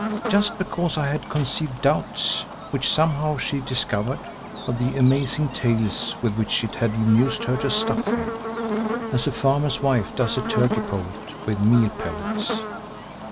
Just because I had conceived doubts, which somehow she discovered, of the amazing tales with which it had amused her to stuff me, as a farmer's wife does a turkey poult with meal pellets.